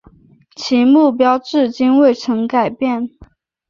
其目标至今未曾改变。